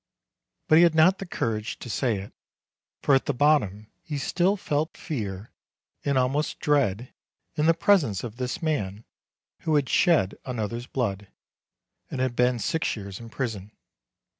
But he had not the courage to say it, for at bottom he still felt fear and almost dread in the presence of this man who had shed another's blood, and had been 174 MARCH six years in prison.